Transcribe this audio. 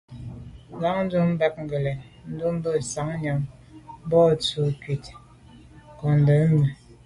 Ndǎ’ndʉ̂ a bαg len, ndɛ̂nmbə̀ sα̌m nyὰm mbὰ ncʉ̌’ kə cwɛ̌d nkondɛ̀n mi.